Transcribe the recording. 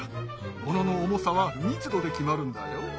ものの重さは密度で決まるんだよ。